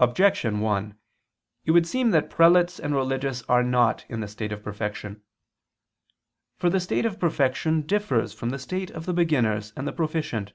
Objection 1: It would seem that prelates and religious are not in the state of perfection. For the state of perfection differs from the state of the beginners and the proficient.